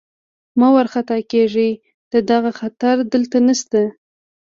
مه وارخطا کېږئ، د دغه خطر دلته نشته.